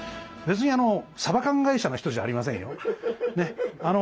別にさば缶会社の人じゃありませんよ。